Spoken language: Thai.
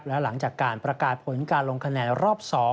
และหลังจากการประกาศผลการลงคะแนนรอบ๒